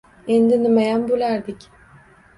Endi nimayam boʻlardik